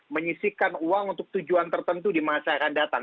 menyisikan uang untuk tujuan tertentu di masa yang akan datang